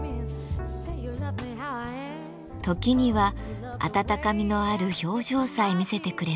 時にはあたたかみのある表情さえ見せてくれます。